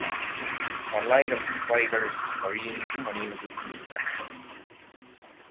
பல்லாயிரம் சிப்பாய்கள் வழியெங்கும் அணிவகுத்து நின்றனர்.